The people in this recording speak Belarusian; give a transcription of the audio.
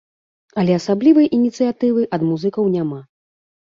Але асаблівай ініцыятывы ад музыкаў няма.